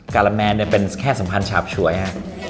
การาแมนเป็นแค่สัมพันธ์ฉาบฉวยฮะ